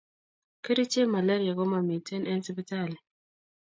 Keriche malaria ko mamiten en sipitali